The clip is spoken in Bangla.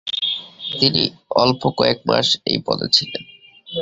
তিনি অল্প কয়েক মাস এই পদে ছিলেন।